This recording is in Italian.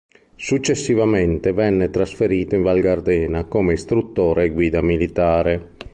Successivamente venne trasferito in Val Gardena come istruttore e guida militare.